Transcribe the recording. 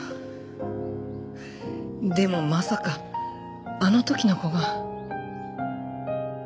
でもまさかあの時の子が。